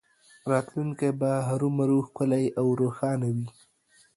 راتلونکی به هرومرو ښکلی او روښانه وي